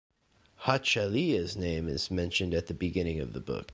Hachaliah's name is mentioned at the beginning of the book.